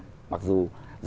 mặc dù rất nhiều tác giả